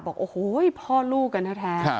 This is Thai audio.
บอกโอ้โหพ่อลูกกันแท้